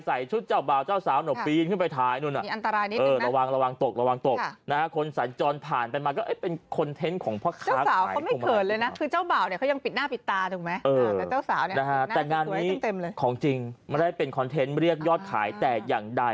ใส่ชุดเจ้าบ่าวเจ้าสาวหนบชีนขึ้นไปถาย